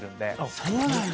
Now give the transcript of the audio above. そうなんだ！